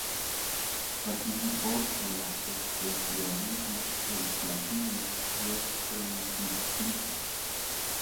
Participó en el expresionismo, el clasicismo y el primitivismo.